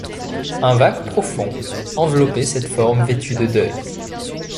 Un vague profond enveloppait cette forme vêtue de deuil.